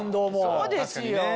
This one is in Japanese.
そうですよ。